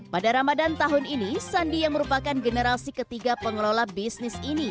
pada ramadan tahun ini sandi yang merupakan generasi ketiga pengelola bisnis ini